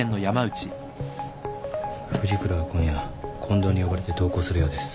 藤倉は今夜近藤に呼ばれて同行するようです。